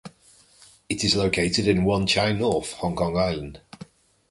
It is located in Wan Chai North, Hong Kong Island.